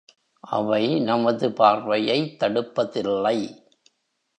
அவை நமது பார்வையைத் தடுப்பதில்லை.